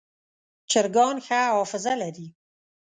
چرګان ښه حافظه لري.